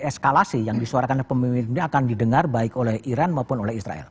eskalasi yang disuarakan oleh pemimpin dunia akan didengar baik oleh iran maupun oleh israel